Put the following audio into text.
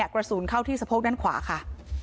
กระสุนเข้าที่สะโพกด้านขวาค่ะ